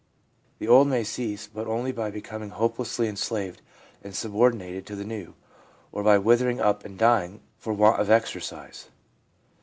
The old may cease, but only by becoming hopelessly enslaved and sub ordinated to the new, or by withering up and dying for want of exercise.